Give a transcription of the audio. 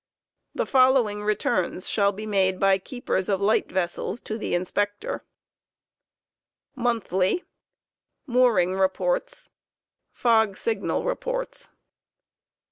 The following returns shall be made by keepers of light vessels to the Inspector: Monthly i Mooring reports. ; Fog signal reports.